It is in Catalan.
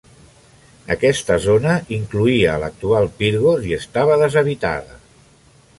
Aquesta zona incloïa l'actual Pyrgos i estava deshabitada.